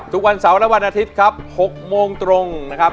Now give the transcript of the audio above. ทุกวันเสาร์และวันอาทิตย์ครับ๖โมงตรงนะครับ